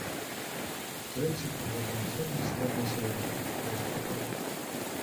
Трэці паводле насельніцтва населены пункт вострава.